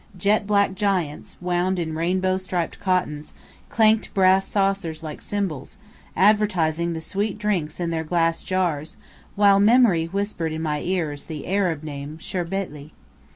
Jet black giants, wound in rainbow striped cottons, clanked brass saucers like cymbals, advertising the sweet drinks in their glass jars, while memory whispered in my ears the Arab name "sherbétly."